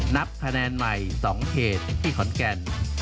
นับคะแนนใหม่๒เขตที่ขอนแก่น